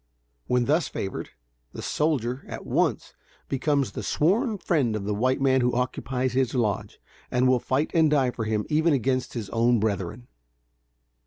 When thus favored, the "soldier," at once, becomes the sworn friend of the white man who occupies his lodge, and will fight and die for him even against his own brethren.